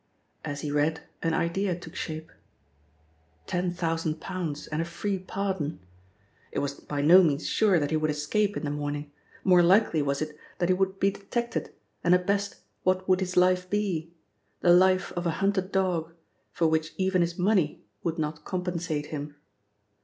As he read, an idea took shape. Ten thousand pounds and a free pardon! It was by no means sure that he would escape in the morning; more likely was it that he would be detected, and at best what would his life be? The life of a hunted dog, for which even his money would not compensate him.